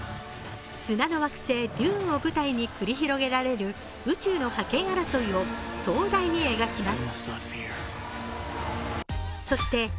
砂の惑星・デューンを舞台に繰り広げられる宇宙の覇権争いを壮大に描きます。